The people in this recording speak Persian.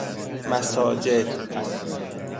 مساجد